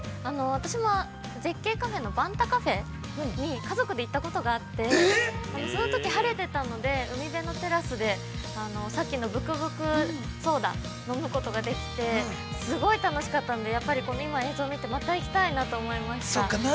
◆私も絶景カフェのバンタカフェに家族で行ったことがあって、そのとき、晴れてたので、海辺のテラスでさっきのぶくぶくソーダ、飲むことができて、すごい楽しかったんで、やっぱり今映像を見て、私また行きたいと思いました。